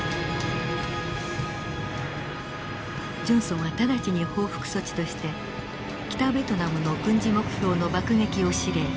ジョンソンは直ちに報復措置として北ベトナムの軍事目標の爆撃を指令。